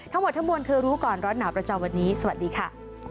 ทั้งหมดทั้งมวลคือรู้ก่อนร้อนหนาวประจำวันนี้สวัสดีค่ะ